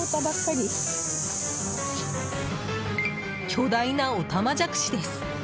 巨大なオタマジャクシです。